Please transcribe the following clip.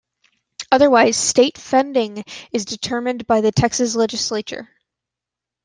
Otherwise, state funding is determined by the Texas Legislature.